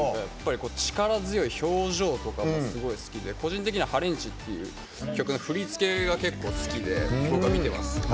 力強い表情とかがすごく好きで個人的には「ハレンチ」っていう曲の振り付けが好きで僕は見てます。